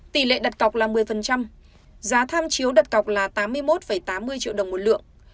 tỷ lệ đặt cọc là một mươi giá tham chiếu đặt cọc là tám mươi một tám mươi triệu đồng một lượng